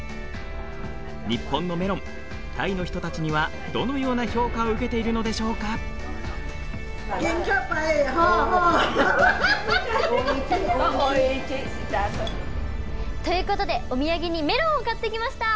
日本のメロンタイの人たちにはどのような評価を受けているのでしょうか。ということでお土産にメロンを買ってきました。